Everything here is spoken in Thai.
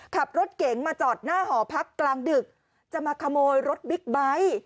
ขับรถเก๋งมาจอดหน้าหอพักกลางดึกจะมาขโมยรถบิ๊กไบท์